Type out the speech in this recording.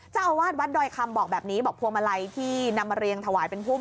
เจ้าอาวาสวัดดอยคำบอกแบบนี้บอกพวงมาลัยที่นำมาเรียงถวายเป็นพุ่ม